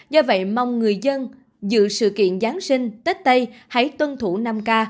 do vậy mong người dân dự sự kiện giáng sinh tết tây hãy tuân thủ năm k